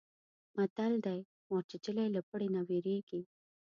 متل دی: مار چیچلی له پړي نه وېرېږي.